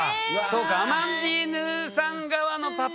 そうかアマンディーヌさん側のパパね。